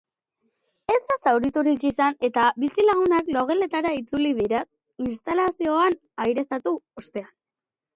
Ez da zauriturik izan eta bizilagunak logeletara itzuli dira instalazioak aireztatu ostean.